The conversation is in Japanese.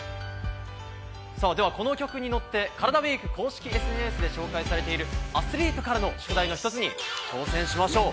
この曲に乗ってカラダＷＥＥＫ公式ＳＮＳで紹介されているアスリートからの宿題の１つに挑戦しましょう。